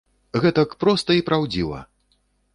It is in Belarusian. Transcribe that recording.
Гэтак проста і праўдзіва!